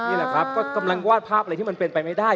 อยู่ครับกำลังวาดภาพที่มันเป็นไปไม่ได้